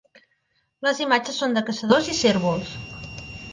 Les imatges són de caçadors i cérvols.